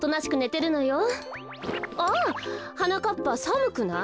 あはなかっぱさむくない？